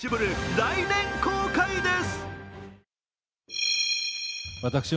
来年公開です。